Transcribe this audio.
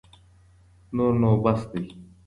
نور نو بس دی.